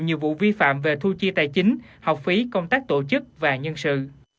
nhiều vụ vi phạm về thu chi tài chính học phí công tác tổ chức và nhân sự